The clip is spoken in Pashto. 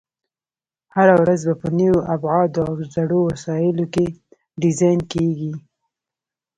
هره ورځ به په نویو ابعادو او زړو وسایلو کې ډیزاین کېږي.